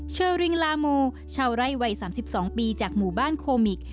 เชอริงลามูชาวไร่วัย๓๒ปีจากหมู่บ้านโคมิก